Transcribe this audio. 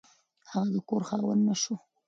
هغه د کور خاوند نه شو.